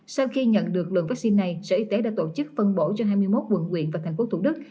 sau khi nhận được lượng vaccine này sở y tế đã tổ chức phân bổ cho hai mươi một quận quyện và thành phố thủ đức